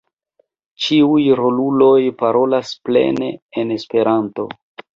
Ĉiuj roluloj parolas plene en Esperanto.